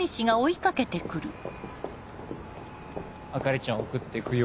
朱里ちゃん送ってくよ。